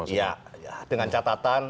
iya dengan catatan